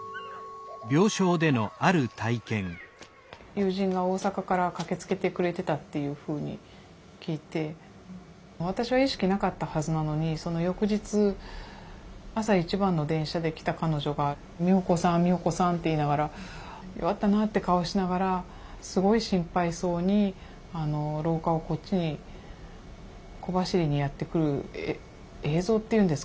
友人が大阪から駆けつけてくれてたっていうふうに聞いて私は意識なかったはずなのにその翌日朝一番の電車で来た彼女が「美穂子さん美穂子さん」って言いながら弱ったなって顔しながらすごい心配そうに廊下をこっちに小走りにやって来る映像っていうんですかね